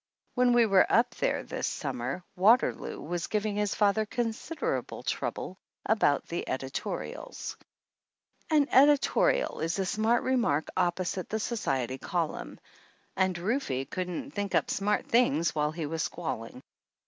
When we were up there in the summer Water loo was giving his father considerable trouble about the editorials. An editorial is a smart re mark opposite the society column; and Rufe couldn't think up smart things while he was squalling.